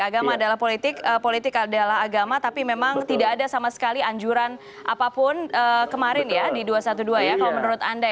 agama adalah politik politik adalah agama tapi memang tidak ada sama sekali anjuran apapun kemarin ya di dua ratus dua belas ya kalau menurut anda